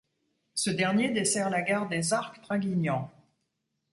Ce dernier dessert la gare des Arcs - Draguignan.